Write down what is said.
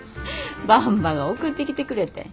ばんばが送ってきてくれてん。